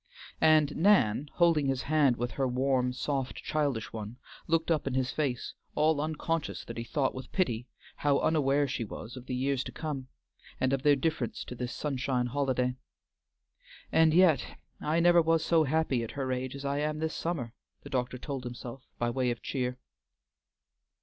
And Nan, holding his hand with her warm, soft, childish one, looked up in his face, all unconscious that he thought with pity how unaware she was of the years to come, and of their difference to this sunshine holiday. "And yet I never was so happy at her age as I am this summer," the doctor told himself by way of cheer.